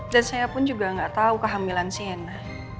dan saya pun juga gak tau kehamilan sienna